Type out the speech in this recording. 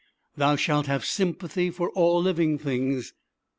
Thou shalt have sympathy for all living things.